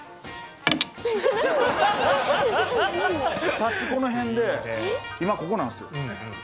さっきこの辺で今ここなんですよ。